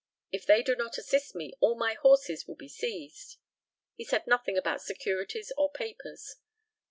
If they do not assist me, all my horses will be seized." He said nothing about securities or papers.